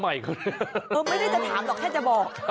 ไม่ได้จะถามหรอกแค่จะบอก